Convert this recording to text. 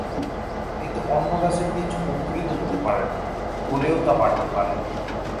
এতে অন্য গাছের বীজ অঙ্কুরিত হতে পারে না, হলেও তা বাড়তে পারে না।